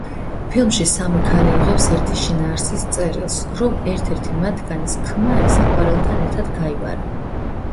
ფილმში სამი ქალი იღებს ერთი შინაარსის წერილს, რომ ერთ-ერთი მათგანის ქმარი საყვარელთან ერთად გაიპარა.